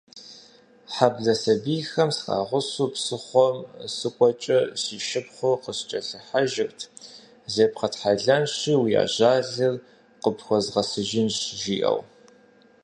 Хьэблэ сабийхэм срагъусэу псыхъуэм сыщыкӏуэкӏэ, си шыпхъур къыскӏэлъыжэрт: «Зебгъэтхьэлэнщи, уи ажалыр къыпхуэзгъэсынщ», - жиӏэу.